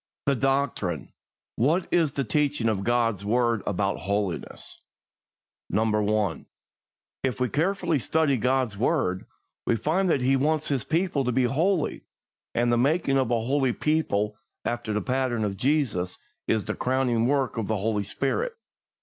I. The Doctrine. What is the teaching of God's word about holiness? 1. If we carefully study God's word, we find that He wants His people to be holy, and the making of a holy people, after the pattern of Jesus, is the crowning work of the Holy Spirit.